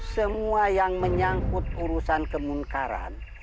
semua yang menyangkut urusan kemungkaran